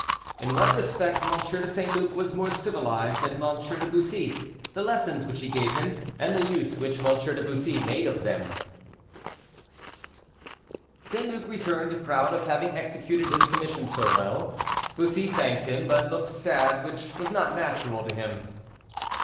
IN WHAT RESPECT M. DE ST. LUC WAS MORE CIVILIZED THAN M. DE BUSSY, THE LESSONS WHICH HE GAVE HIM, AND THE USE WHICH M. DE BUSSY MADE OF THEM. St. Luc returned, proud of having executed his commission so well. Bussy thanked him, but looked sad, which was not natural to him.